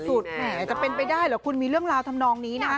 แหมจะเป็นไปได้เหรอคุณมีเรื่องราวทำนองนี้นะคะ